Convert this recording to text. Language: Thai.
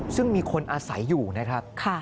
ซึ่งมีคนอาศัยอยู่นะครับ